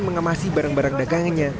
mengemasi barang barang dagangannya